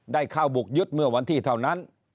ได้เข้าบุกยึดเมื่อวันที่เท่านั้น